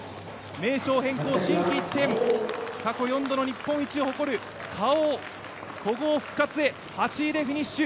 名称変更・心機一転、過去４度の日本一を誇るＫａｏ、古豪復活へ、８位でフィニッシュ。